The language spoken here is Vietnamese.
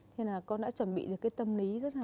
thế nên là con đã chuẩn bị được cái tâm lý rất là